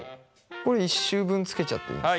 これ１周分つけちゃっていいんですか？